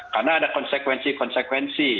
karena ada konsekuensi konsekuensi